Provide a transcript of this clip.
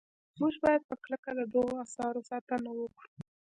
موږ باید په کلکه د دغو اثارو ساتنه وکړو.